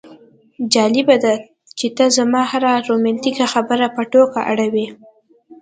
جالبه ده چې ته زما هره رومانتیکه خبره په ټوکه اړوې